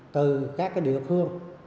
từ các cái địa khương